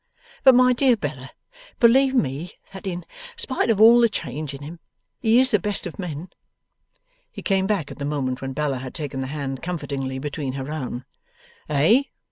But my dear Bella, believe me that in spite of all the change in him, he is the best of men.' He came back, at the moment when Bella had taken the hand comfortingly between her own. 'Eh?